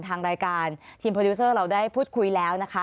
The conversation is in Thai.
ทางรายการทีมโปรดิวเซอร์เราได้พูดคุยแล้วนะคะ